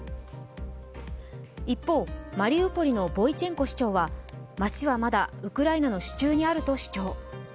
一方、マリウポリのボイチェンコ市長は街はまだウクライナの手中にあると主張。